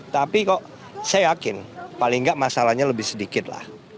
tapi kok saya yakin paling nggak masalahnya lebih sedikit lah